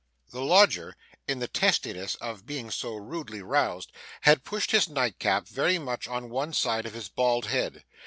The lodger, in the testiness of being so rudely roused, had pushed his nightcap very much on one side of his bald head.